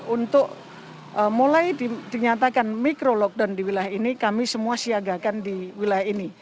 untuk mulai dinyatakan micro lockdown di wilayah ini kami semua siagakan di wilayah ini